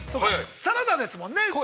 ◆サラダですもんね、基本は。